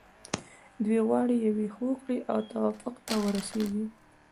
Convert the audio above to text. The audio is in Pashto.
دوی غواړي یوې هوکړې او توافق ته ورسیږي.